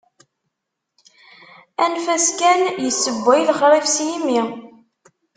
Anef-as kan... yessewway lexrif s yimi.